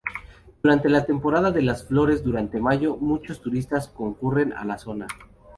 Durante la temporada de las flores durante mayo muchos turistas concurren a la zona.